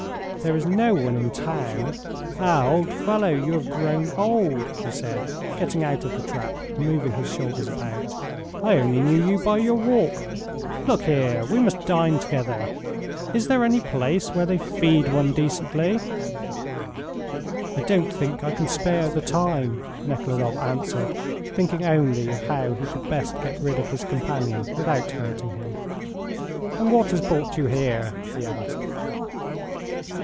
There is no one in town. Ah, old fellow; you have grown old," he said, getting out of the trap and moving his shoulders about. "I only knew you by your walk. Look here, we must dine together. Is there any place where they feed one decently?" "I don't think I can spare the time," Nekhludoff answered, thinking only of how he could best get rid of his companion without hurting him. "And what has brought you here?" he asked.